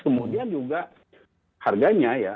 kemudian juga harganya ya